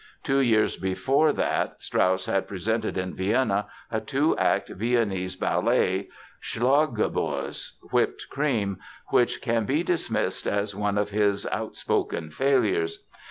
Two years before that Strauss had presented in Vienna a two act Viennese ballet, Schlagobers (Whipped Cream) which can be dismissed as one of his outspoken failures.